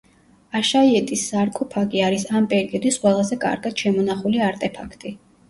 აშაიეტის სარკოფაგი არის ამ პერიოდის ყველაზე კარგად შემონახული არტეფაქტი.